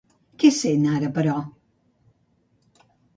Què sent ara, però?